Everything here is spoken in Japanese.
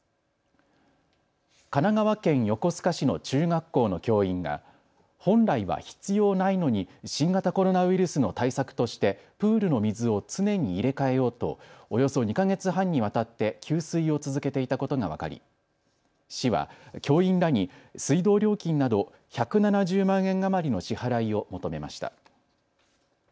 神奈川県横須賀市の中学校の教員が本来は必要ないのに新型コロナウイルスの対策としてプールの水を常に入れ替えようとおよそ２か月半にわたって給水を続けていたことが分かり市は教員らに水道料金など１７０万円余りの支払いを求めました。